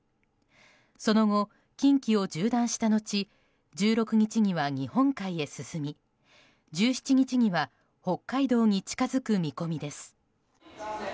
その後、近畿を縦断した後１６日には日本海へ進み１７日には北海道に近づく見込みです。